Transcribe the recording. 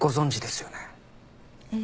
ええ。